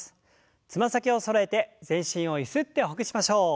つま先をそろえて全身をゆすってほぐしましょう。